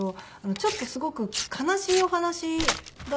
ちょっとすごく悲しいお話だったので。